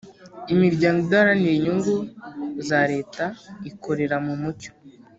imiryango idaharanira inyungu za leta ikorera mumucyo.